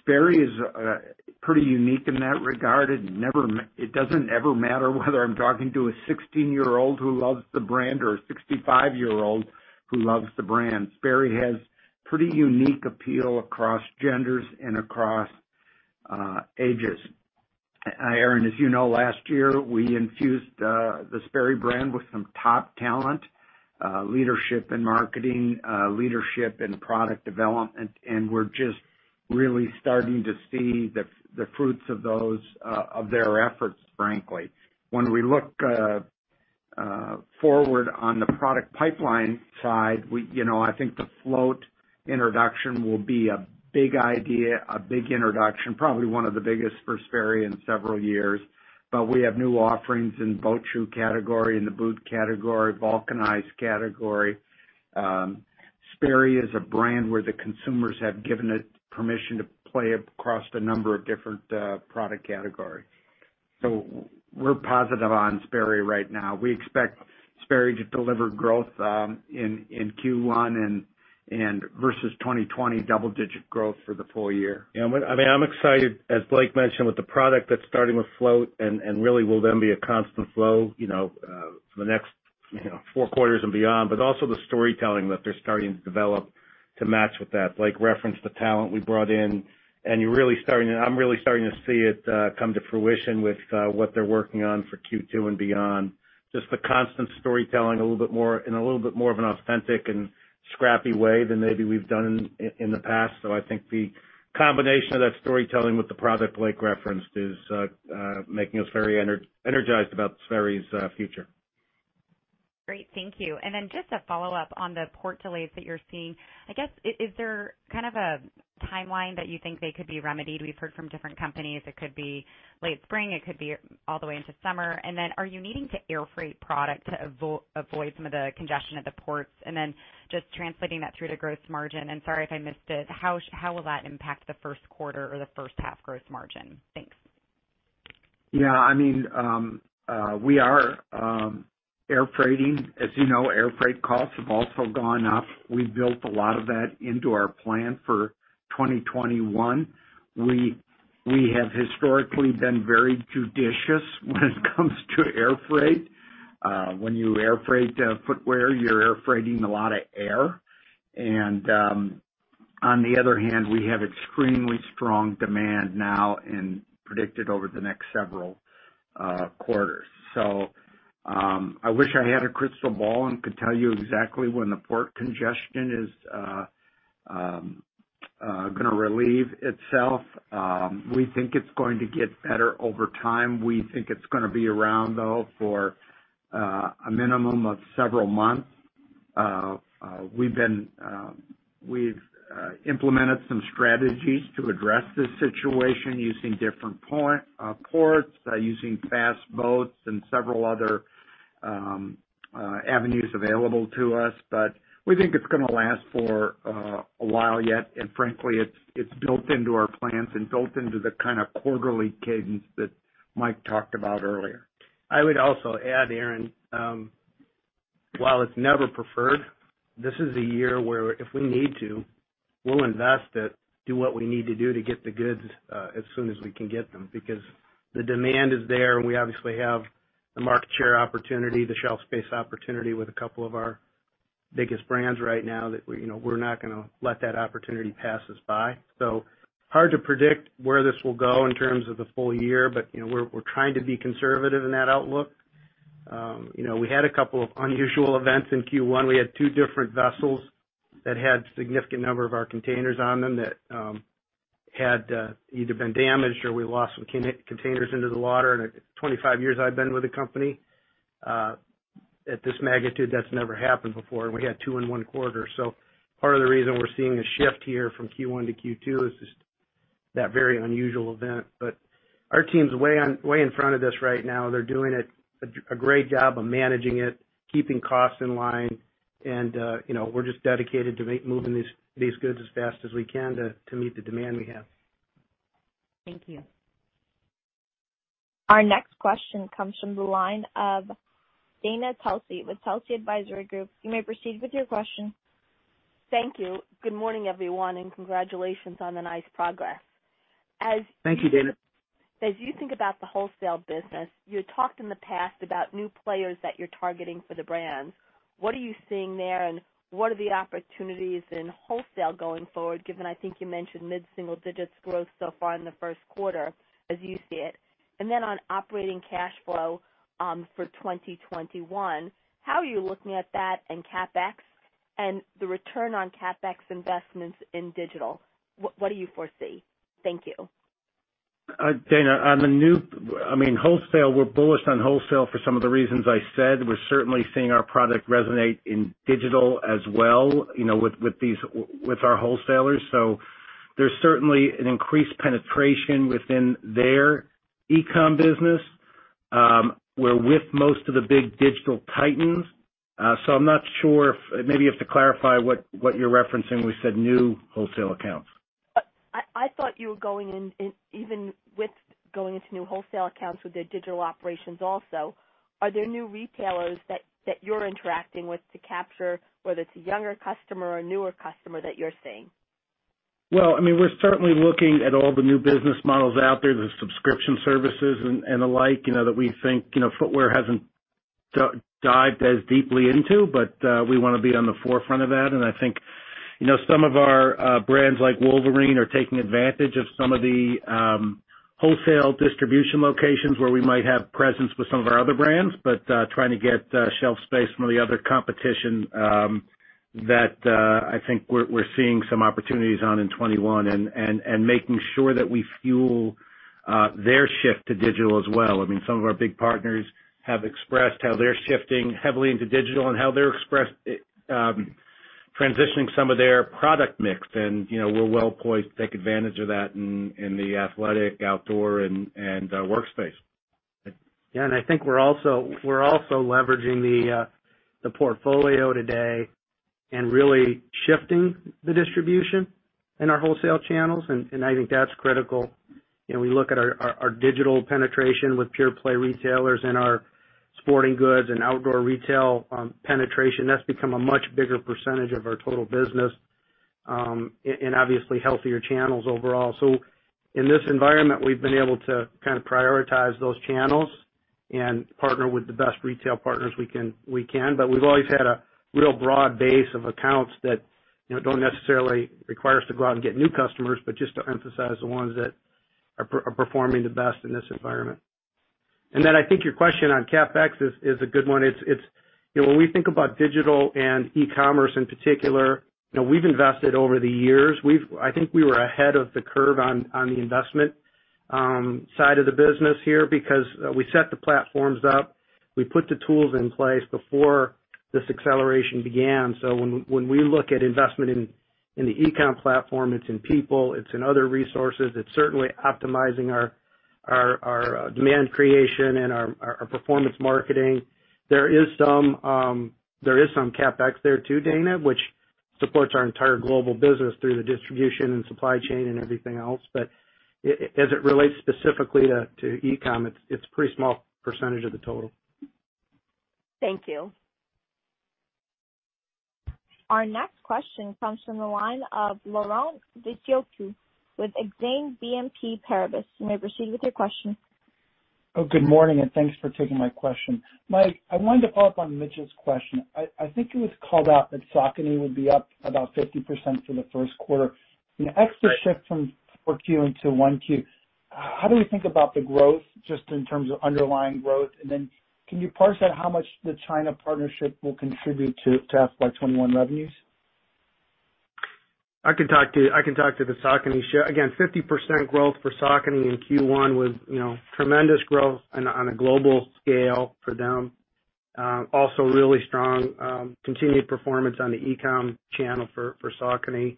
Sperry is pretty unique in that regard. It never, it doesn't ever matter whether I'm talking to a 16-year-old who loves the brand or a 65-year-old who loves the brand. Sperry has pretty unique appeal across genders and across ages. Erinn, as you know, last year, we infused the Sperry brand with some top talent, leadership and marketing, leadership and product development, and we're just really starting to see the fruits of those, of their efforts, frankly. When we look forward on the product pipeline side, we, you know, I think the Float introduction will be a big idea, a big introduction, probably one of the biggest for Sperry in several years. but we have new offerings in boat shoe category, in the boot category, vulcanized category. Sperry is a brand where the consumers have given it permission to play across a number of different product categories. So we're positive on Sperry right now. We expect Sperry to deliver growth in Q1 and versus 2020 double digit growth for the full year. Yeah, I mean, I'm excited, as Blake mentioned, with the product that's starting with Float and really will then be a constant flow, you know, for the next, you know, four quarters and beyond. But also the storytelling that they're starting to develop to match with that. Blake referenced the talent we brought in, and you're really starting to—I'm really starting to see it come to fruition with what they're working on for Q2 and beyond. Just the constant storytelling a little bit more, in a little bit more of an authentic and scrappy way than maybe we've done in the past. So I think the combination of that storytelling with the product Blake referenced is making us very energized about Sperry's future. Great. Thank you. And then just a follow up on the port delays that you're seeing, I guess, is there kind of a timeline that you think they could be remedied? We've heard from different companies, it could be late spring, it could be all the way into summer. And then are you needing to air freight product to avoid some of the congestion at the ports? And then just translating that through to gross margin, and sorry if I missed it, how will that impact the first quarter or the first half gross margin? Thanks. Yeah. I mean, we are air freighting. As you know, air freight costs have also gone up. We built a lot of that into our plan for 2021. We have historically been very judicious when it comes to air freight. When you air freight footwear, you're air freighting a lot of air. And on the other hand, we have extremely strong demand now and predicted over the next several quarters. So, I wish I had a crystal ball and could tell you exactly when the port congestion is gonna relieve itself. We think it's going to get better over time. We think it's gonna be around, though, for a minimum of several months. We've implemented some strategies to address this situation using different ports, using fast boats and several other avenues available to us. But we think it's gonna last for a while yet, and frankly, it's built into our plans and built into the kind of quarterly cadence that Mike talked about earlier. I would also add, Erinn, while it's never preferred, this is a year where if we need to, we'll invest it, do what we need to do to get the goods, as soon as we can get them, because the demand is there, and we obviously have the market share opportunity, the shelf space opportunity with a couple of our biggest brands right now that we, you know, we're not gonna let that opportunity pass us by. So hard to predict where this will go in terms of the full year, but, you know, we're, we're trying to be conservative in that outlook. You know, we had a couple of unusual events in Q1. We had two different vessels that had significant number of our containers on them that had either been damaged or we lost some containers into the water. In the 25 years I've been with the company, at this magnitude, that's never happened before, and we had two in one quarter. So part of the reason we're seeing a shift here from Q1 to Q2 is just that very unusual event. But our team's way in front of this right now. They're doing a great job of managing it, keeping costs in line, and, you know, we're just dedicated to moving these goods as fast as we can to meet the demand we have. Thank you. Our next question comes from the line of Dana Telsey with Telsey Advisory Group. You may proceed with your question. Thank you. Good morning, everyone, and congratulations on the nice progress. As- Thank you, Dana. As you think about the wholesale business, you had talked in the past about new players that you're targeting for the brands. What are you seeing there, and what are the opportunities in wholesale going forward, given I think you mentioned mid-single digits growth so far in the first quarter, as you see it? And then on operating cash flow, for 2021, how are you looking at that and CapEx and the return on CapEx investments in digital? What, what do you foresee? Thank you. Dana, on the new, I mean, wholesale, we're bullish on wholesale for some of the reasons I said. We're certainly seeing our product resonate in digital as well, you know, with our wholesalers, so there's certainly an increased penetration within their e-com business. We're with most of the big digital titans, so I'm not sure if... Maybe you have to clarify what you're referencing with the new wholesale accounts. I thought you were going in, even with going into new wholesale accounts with the digital operations also. Are there new retailers that you're interacting with to capture, whether it's a younger customer or a newer customer that you're seeing? Well, I mean, we're certainly looking at all the new business models out there, the subscription services and, and the like, you know, that we think, you know, footwear hasn't dived as deeply into, but we wanna be on the forefront of that. And I think, you know, some of our brands, like Wolverine, are taking advantage of some of the wholesale distribution locations where we might have presence with some of our other brands, but trying to get shelf space from the other competition, that I think we're seeing some opportunities on in 2021 and making sure that we fuel their shift to digital as well. I mean, some of our big partners have expressed how they're shifting heavily into digital and how they're expressed. transitioning some of their product mix, and, you know, we're well poised to take advantage of that in the athletic, outdoor, and workspace. Yeah, and I think we're also leveraging the portfolio today and really shifting the distribution in our wholesale channels, and I think that's critical. You know, we look at our digital penetration with pure play retailers and our sporting goods and outdoor retail penetration, that's become a much bigger percentage of our total business, and obviously healthier channels overall. So in this environment, we've been able to kind of prioritize those channels and partner with the best retail partners we can. But we've always had a real broad base of accounts that, you know, don't necessarily require us to go out and get new customers, but just to emphasize the ones that are performing the best in this environment. Then I think your question on CapEx is a good one. It's, you know, when we think about digital and e-commerce in particular, you know, we've invested over the years. We've I think we were ahead of the curve on the investment side of the business here, because we set the platforms up, we put the tools in place before this acceleration began. So when we look at investment in the e-com platform, it's in people, it's in other resources, it's certainly optimizing our demand creation and our performance marketing. There is some CapEx there, too, Dana, which supports our entire global business through the distribution and supply chain and everything else. But as it relates specifically to e-com, it's a pretty small percentage of the total. Thank you. Our next question comes from the line of Laurent Vasilescu with Exane BNP Paribas. You may proceed with your question. Oh, good morning, and thanks for taking my question. Mike, I wanted to follow up on Mitch's question. I, I think it was called out that Saucony would be up about 50% for the first quarter. The extra shift from Q into one Q, how do we think about the growth, just in terms of underlying growth? And then can you parse out how much the China partnership will contribute to, to FY 2021 revenues? I can talk to the Saucony share. Again, 50% growth for Saucony in Q1 was, you know, tremendous growth on a global scale for them. Also really strong continued performance on the e-com channel for Saucony.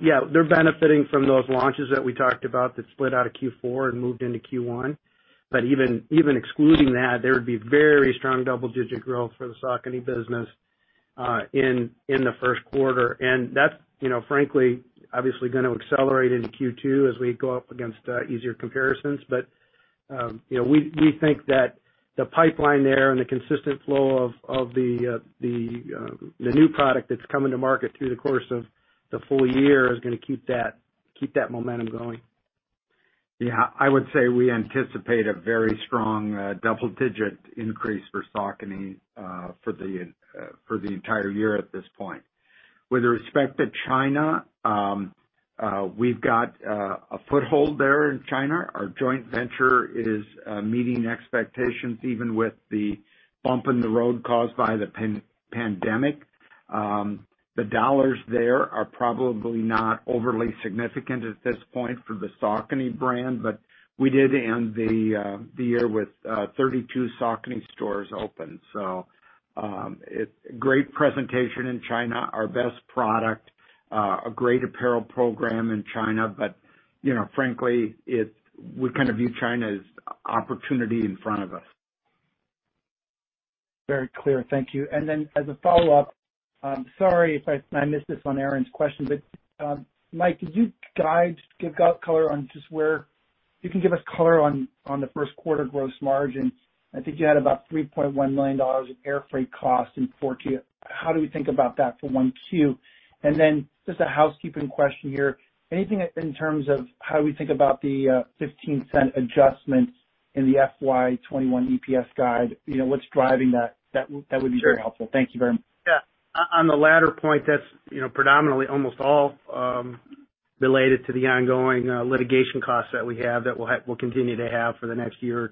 Yeah, they're benefiting from those launches that we talked about that split out of Q4 and moved into Q1. But even excluding that, there would be very strong double-digit growth for the Saucony business in the first quarter. And that's, you know, frankly, obviously going to accelerate into Q2 as we go up against easier comparisons. But you know, we think that the pipeline there and the consistent flow of the new product that's coming to market through the course of the full year is gonna keep that momentum going. Yeah, I would say we anticipate a very strong, double-digit increase for Saucony, for the entire year at this point. With respect to China, we've got a foothold there in China. Our joint venture is meeting expectations, even with the bump in the road caused by the pandemic. The dollars there are probably not overly significant at this point for the Saucony brand, but we did end the year with 32 Saucony stores open. So, it's great presentation in China, our best product, a great apparel program in China, but, you know, frankly, it's. We kind of view China as opportunity in front of us. Very clear. Thank you. And then as a follow-up, sorry if I missed this on Erinn's question, but, Mike, could you give us color on just where you can give us color on the first quarter gross margin? I think you had about $3.1 million in airfreight costs in 4Q. How do we think about that for 1Q? And then just a housekeeping question here, anything in terms of how we think about the $0.15 adjustment in the FY 2021 EPS guide, you know, what's driving that? That would be very helpful. Sure. Thank you very much. Yeah. On the latter point, that's, you know, predominantly almost all related to the ongoing litigation costs that we have, that we'll have - we'll continue to have for the next year or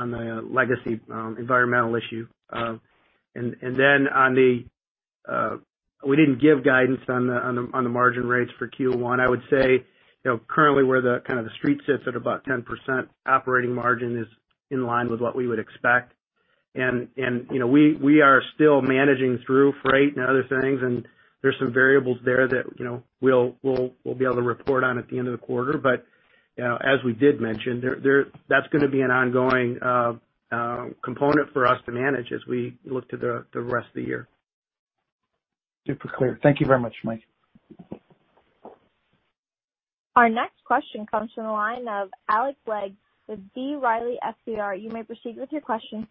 two years on the legacy environmental issue. And then on the, we didn't give guidance on the margin rates for Q1. I would say, you know, currently, where the kind of the street sits at about 10% operating margin is in line with what we would expect. And, you know, we are still managing through freight and other things, and there's some variables there that, you know, we'll be able to report on at the end of the quarter. But, as we did mention, there, that's gonna be an ongoing component for us to manage as we look to the rest of the year. Super clear. Thank you very much, Mike. Our next question comes from the line of Alec Legg with B. Riley Securities. You may proceed with your question.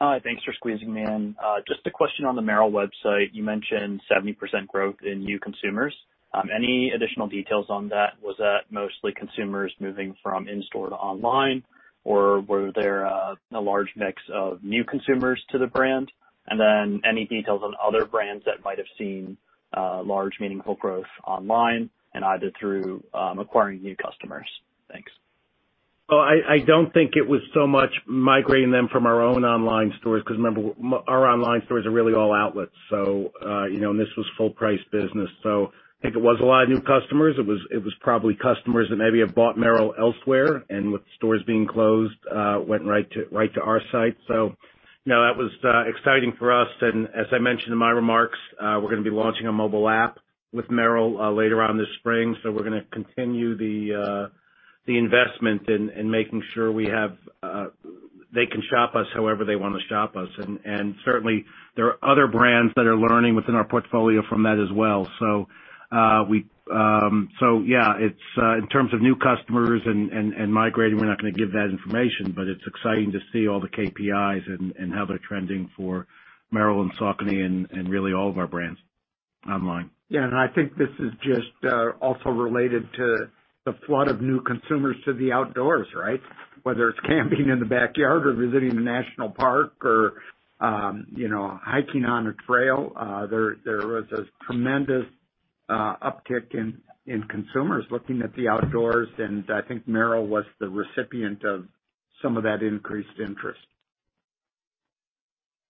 Hi, thanks for squeezing me in. Just a question on the Merrell website. You mentioned 70% growth in new consumers. Any additional details on that? Was that mostly consumers moving from in-store to online, or were there a large mix of new consumers to the brand? And then, any details on other brands that might have seen large, meaningful growth online and either through acquiring new customers? Thanks. Well, I don't think it was so much migrating them from our own online stores, because remember, our online stores are really all outlets. So, you know, and this was full price business, so I think it was a lot of new customers. It was probably customers that maybe have bought Merrell elsewhere, and with stores being closed, went right to our site. So, you know, that was exciting for us. And as I mentioned in my remarks, we're gonna be launching a mobile app with Merrell later on this spring. So we're gonna continue the investment in making sure we have they can shop us however they want to shop us. And certainly, there are other brands that are learning within our portfolio from that as well. So... So yeah, it's in terms of new customers and migrating, we're not going to give that information, but it's exciting to see all the KPIs and how they're trending for Merrell and Saucony and really all of our brands online. Yeah, and I think this is just also related to the flood of new consumers to the outdoors, right? Whether it's camping in the backyard or visiting the national park or, you know, hiking on a trail, there was a tremendous uptick in consumers looking at the outdoors, and I think Merrell was the recipient of some of that increased interest.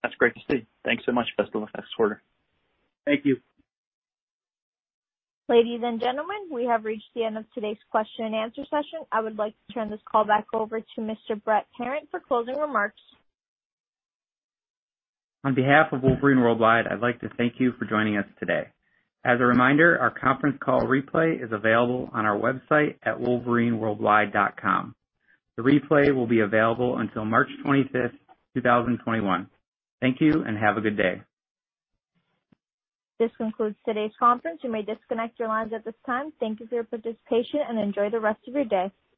That's great to see. Thanks so much. Best of luck next quarter. Thank you. Ladies and gentlemen, we have reached the end of today's question and answer session. I would like to turn this call back over to Mr. Brett Parent for closing remarks. On behalf of Wolverine Worldwide, I'd like to thank you for joining us today. As a reminder, our conference call replay is available on our website at wolverineworldwide.com. The replay will be available until March 25, 2021. Thank you, and have a good day. This concludes today's conference. You may disconnect your lines at this time. Thank you for your participation and enjoy the rest of your day.